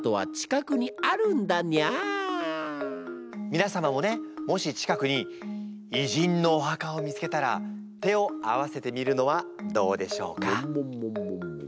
みな様もねもし近くに偉人のお墓を見つけたら手を合わせてみるのはどうでしょうか？